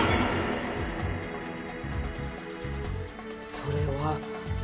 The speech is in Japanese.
それは。